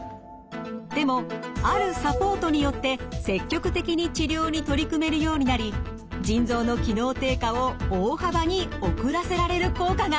でもあるサポートによって積極的に治療に取り組めるようになり腎臓の機能低下を大幅に遅らせられる効果が。